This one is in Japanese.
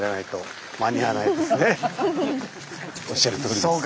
おっしゃるとおりです。